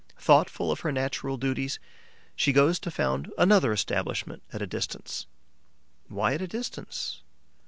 Thoughtful of her natural duties, she goes to found another establishment at a distance. Why at a distance?